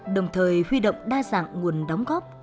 đồng thời huy động đa dạng nguồn đóng góp